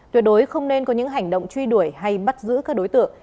tuyệt đối không nên có những hành động truy đuổi hay bắt giữ các đối tượng